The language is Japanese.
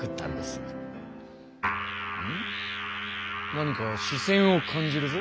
何かし線を感じるぞ？